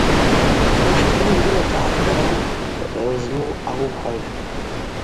Ахӏткъвым йрыуата гӏатгара зму ауыхвагӏв.